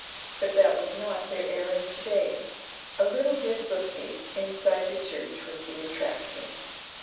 But that was not their errand to day. A little red bookcase inside the church was the attraction.